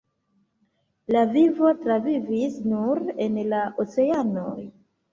La vivo travivis nur en la oceanoj.